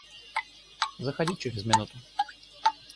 Заходи через минуту.